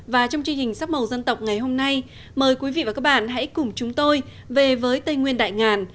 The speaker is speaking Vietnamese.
và trong chương trình sắc màu dân tộc ngày hôm nay mời quý vị và các bạn hãy cùng chúng tôi về với tây nguyên đại ngàn